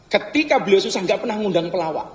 ketika beliau susah gak pernah mengundang pelawak